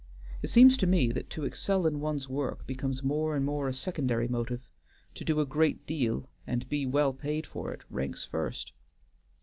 It seems to me that to excel in one's work becomes more and more a secondary motive; to do a great deal and be well paid for it ranks first.